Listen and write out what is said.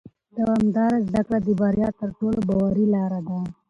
دوامداره زده کړه د بریا تر ټولو باوري لاره ده